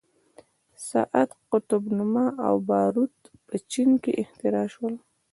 ساعت، قطب نما او باروت په چین کې اختراع شول.